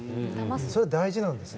それが大事なんですよ。